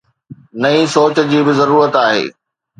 نئين سوچ جي به ضرورت آهي.